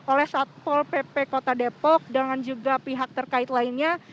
oleh satpol pp kota depok dan juga pihak terkait lainnya